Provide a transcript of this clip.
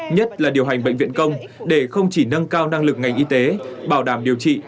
nhất là điều hành bệnh viện công để không chỉ nâng cao năng lực ngành y tế bảo đảm điều trị